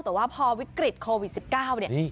แต่ว่าพอวิกฤตโควิด๑๙เนี่ย